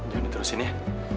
jangan diterusin ya